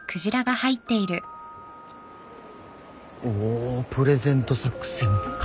おプレゼント作戦か。